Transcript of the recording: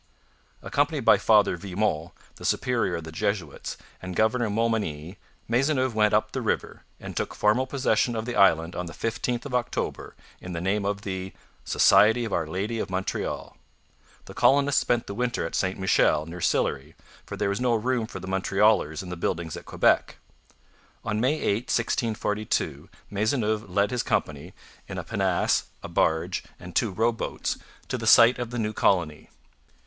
Accompanied by Father Vimont, the superior of the Jesuits, and Governor Montmagny, Maisonneuve went up the river, and took formal possession of the island on the 15th of October in the name of the 'Society of Our Lady of Montreal.' The colonists spent the winter at St Michel, near Sillery, for there was no room for the Montrealers in the buildings at Quebec. On May 8, 1642, Maisonneuve led his company in a pinnace, a barge, and two row boats to the site of the new colony.